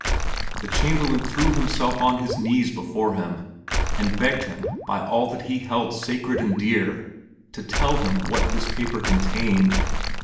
The Chamberlain threw himself on his knees before him and begged him by all that he held sacred and dear to tell him what this paper contained.